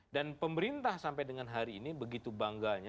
dan pemerintah sampai dengan hari ini begitu bangganya